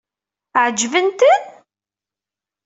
Ɛeǧbent-ten?